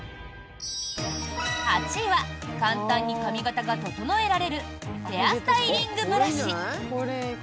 ８位は、簡単に髪形が整えられるヘアスタイリングブラシ。